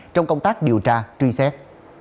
trong công tác điều tra truy xét